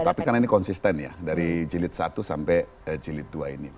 tapi karena ini konsisten ya dari jilid satu sampai jilid dua ini